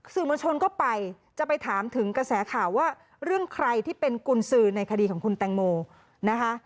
สื่อมวลชนก็ไปจะไปถามถึงกระแสข่าวว่าเรื่องใครที่เป็นกุญสือในคดีของคุณแตงโมนะคะ